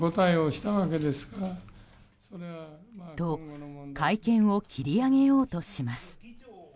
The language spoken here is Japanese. と、会見を切り上げようとします。